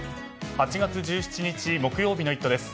８月１７日、木曜日の「イット！」です。